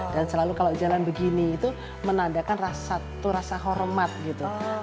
dan selalu kalau jalan begini itu menandakan rasa hormat gitu